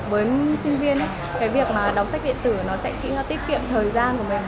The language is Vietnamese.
bởi vì thường với sinh viên cái việc mà đọc sách điện tử nó sẽ tích kiệm thời gian của mình